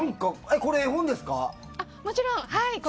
これ絵本ですか？